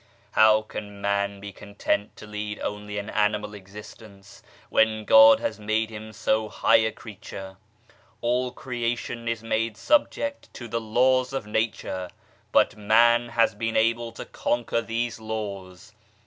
How can man be content to lead only an animal existence when God has made him so high a creature ? All creation is made subject to the laws of nature, but man has been able to conquer these laws.